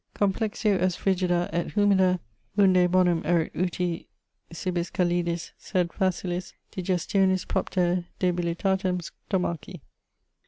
Complexio est frigida et humida, unde bonum erit uti cibis calidis, sed facilis digestionis propter debilitatem stomachi.'